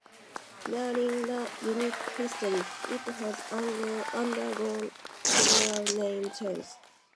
During the unit's history, it has undergone several name changes.